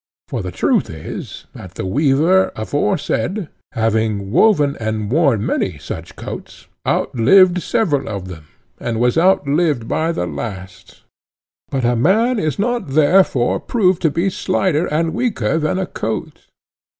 For the truth is, that the weaver aforesaid, having woven and worn many such coats, outlived several of them, and was outlived by the last; but a man is not therefore proved to be slighter and weaker than a coat.